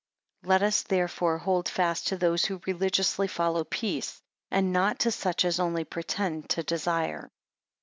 13 Let us, therefore, hold fast to those who religiously follow peace; and not to such as only pretend to desire.